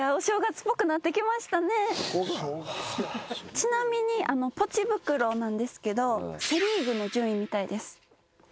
ちなみにポチ袋なんですけどセ・リーグの順位みたいです。